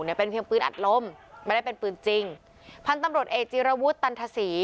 เนี่ยเป็นเพียงปืนอัดลมไม่ได้เป็นปืนจริงพันธุ์ตำรวจเอกจีรวุฒิตันทศรี